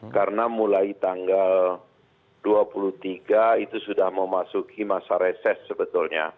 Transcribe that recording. karena mulai tanggal dua puluh tiga itu sudah memasuki masa reses sebetulnya